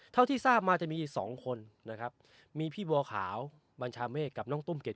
เท่าที่ทราบมาจะมีอีกสองคนนะครับมีพี่บัวขาวบัญชาเมฆกับน้องตุ้มเกร